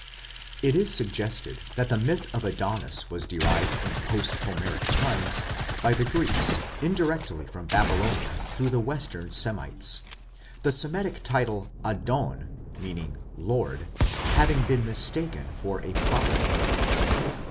It is suggested that the myth of Adonis was derived in post Homeric times by the Greeks indirectly from Babylonia through the Western Semites, the Semitic title "Adon", meaning "lord", having been mistaken for a proper name.